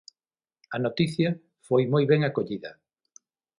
A noticia foi moi ben acollida.